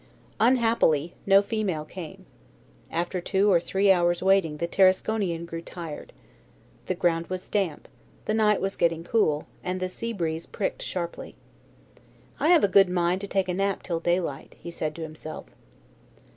Unhappily, no female came. After two or three hours' waiting the Tarasconian grew tired. The ground was damp, the night was getting cool, and the sea breeze pricked sharply. "I have a good mind to take a nap till daylight," he said to himself.